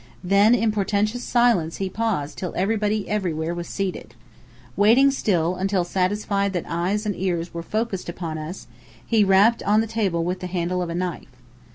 Then, in portentous silence he paused till everybody everywhere was seated. Waiting still, until satisfied that eyes and ears were focussed upon us, he rapped on the table with the handle of a knife.